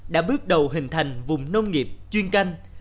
đã bước đầu hình thành vùng nông nghiệp chuyên canh